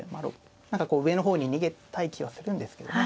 何かこう上の方に逃げたい気はするんですけどね。